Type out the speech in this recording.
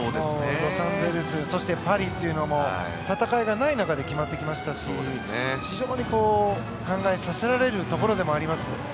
ロサンゼルスそして、パリというのは戦いがない中で決まってきましたし非常に考えさせられるところでもあります。